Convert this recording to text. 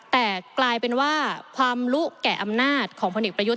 แต่กลายเป็นว่าความรู้แก่อำนาจของพลเอกประยุทธ์